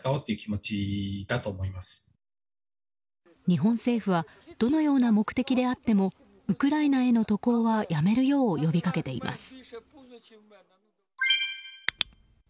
日本政府はどのような目的であってもウクライナへの渡航はやめるよう呼びかけています。